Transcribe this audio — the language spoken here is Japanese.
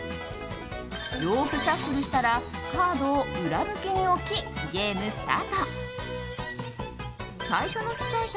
よくシャッフルしたらカードを裏向きに置きゲームスタート！